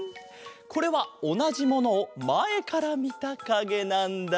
これはおなじものをまえからみたかげなんだ。